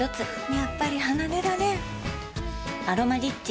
やっぱり離れられん「アロマリッチ」